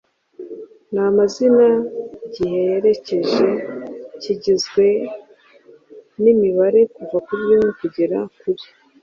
n’amazina giherekeje. Kigizwe n’imibare kuva kuri rimwe kugera kuri